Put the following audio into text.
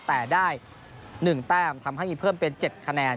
แต่ได้หนึ่งแต้มทำให้มีเพิ่มเป็นเจ็ดคะแนน